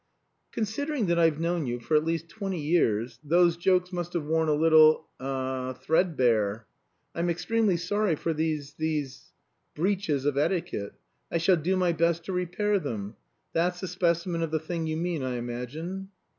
"Considering that I've known you for at least twenty years, those jokes must have worn a little er threadbare. I'm extremely sorry for these these breaches of etiquette. I shall do my best to repair them. That's a specimen of the thing you mean, I imagine?"